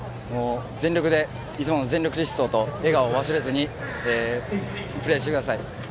いつもの全力疾走と笑顔を忘れずにプレーしてください。